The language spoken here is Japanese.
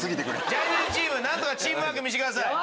ジャニーズチーム何とかチームワーク見してください。